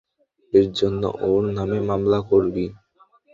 এর জন্য ওর নামে মামলা করবি?